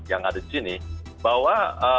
ada di sini bahwa